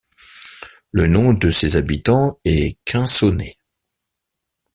Le nom de ses habitants est Quinsonnais.